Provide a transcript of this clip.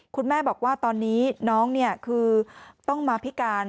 คุณแม่บอกว่าตอนนี้น้องคือต้องมาพิการ